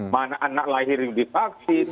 mana anak lahir yang divaksin